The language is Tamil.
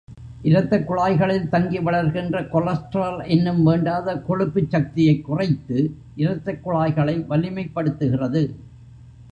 இரத்த குழாய்களில் தங்கி வளர்கின்ற கொலஸ்ட்ரால் எனும் வேண்டாத கொழுப்புச் சக்தியைக் குறைத்து, இரத்தக் குழாய்களை வலிமைப்படுத்துகிறது.